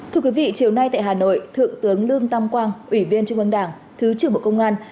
thưa quý vị chiều nay tại hà nội thượng tướng lương tam quang ủy viên trung ương đảng thứ trưởng bộ công an